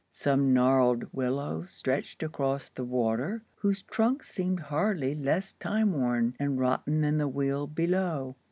Some gnarled willows stretched across the water, whose trunks seemed hardly less time worn and rotten than the wheel below.